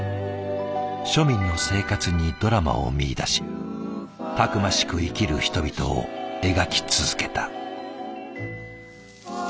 庶民の生活にドラマを見いだしたくましく生きる人々を描き続けた。